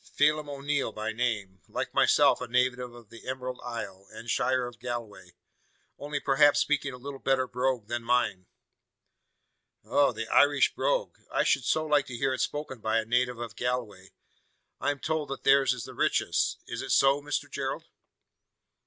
Phelim O'Neal by name like myself a native of the Emerald Isle, and shire of Galway; only perhaps speaking a little better brogue than mine." "Oh! the Irish brogue. I should so like to hear it spoken by a native of Galway. I am told that theirs is the richest. Is it so, Mr Gerald?"